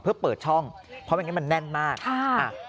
เพื่อเปิดช่องเพราะว่าอย่างนี้มันแน่นมาก